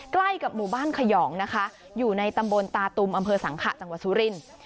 ใกล้กับหมู่บ้านขยองนะคะอยู่ในตำบลตาตุมอำเภอสังขะจังหวัดสุรินทร์